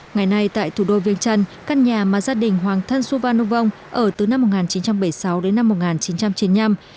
ngày nay tại thủ đô viên trần các nhà mà gia đình hoàng thân su van nu vong ở từ năm một nghìn chín trăm bảy mươi sáu đến năm một nghìn chín trăm ba mươi sáu